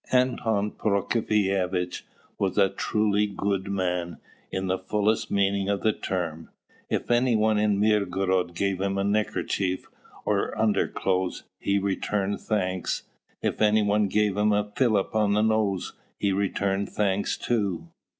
Anton Prokofievitch was a truly good man, in the fullest meaning of the term. If any one in Mirgorod gave him a neckerchief or underclothes, he returned thanks; if any one gave him a fillip on the nose, he returned thanks too.